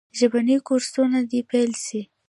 ژبني کورسونه دي پیل سي.